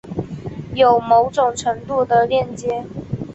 有某种程度的链接